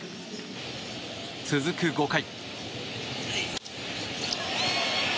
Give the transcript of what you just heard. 続く５回。